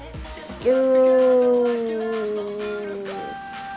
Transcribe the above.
ぎゅー。